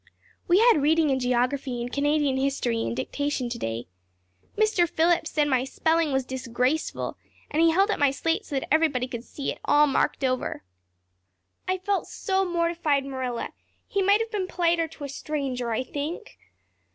We had reading and geography and Canadian history and dictation today. Mr. Phillips said my spelling was disgraceful and he held up my slate so that everybody could see it, all marked over. I felt so mortified, Marilla; he might have been politer to a stranger, I think.